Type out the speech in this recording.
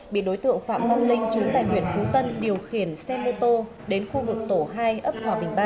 bị đối tượng phạm văn linh chú tại huyện phú tân điều khiển xe mô tô đến khu vực tổ hai ấp hòa bình ba